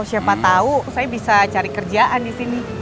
siapa tahu saya bisa cari kerjaan di sini